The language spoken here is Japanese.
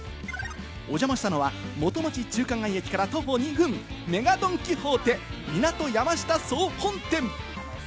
お邪魔したのは元町・中華街駅から徒歩２分、ＭＥＧＡドン・キホーテ港山下総本店。